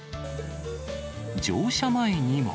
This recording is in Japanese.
乗車前にも。